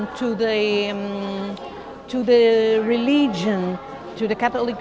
dan semua penyembuhan kepada agama katolik